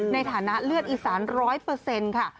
ในฐานะเลือดอีสาน๑๐๐ค่ะ